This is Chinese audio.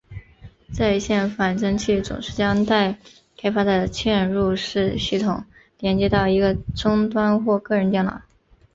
在线仿真器总是将待开发的嵌入式系统连接到一个终端或个人电脑。